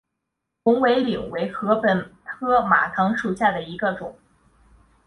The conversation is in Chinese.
红尾翎为禾本科马唐属下的一个种。